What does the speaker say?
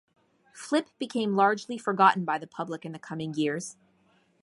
Flip became largely forgotten by the public in the coming years.